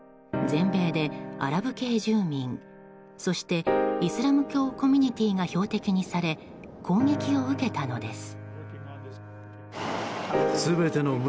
全米でアラブ系住民そしてイスラム教コミュニティーが標的にされ攻撃を受けたのです。